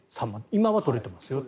今は取れていますよと。